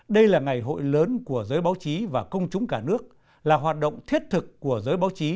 đây là ngày hội lớn của giới báo chí và công chúng cả nước là hoạt động thiết thực của giới báo chí